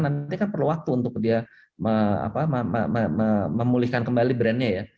nanti kan perlu waktu untuk dia memulihkan kembali brandnya ya